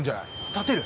立てる？